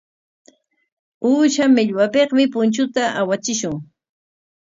Uusha millwapikmi punchuta awachishun.